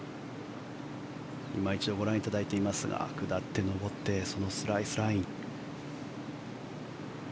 いま一度ご覧いただいていますが下って、上ってそのスライスライン。